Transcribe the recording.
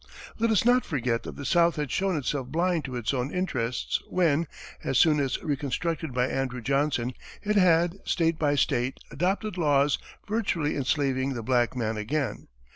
Let us not forget that the South had shown itself blind to its own interests when, as soon as reconstructed by Andrew Johnson, it had, state by state, adopted laws virtually enslaving the black man again.